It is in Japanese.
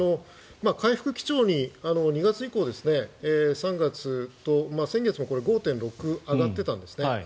回復基調に２月以降、３月と先月も５．６上がってたんですね。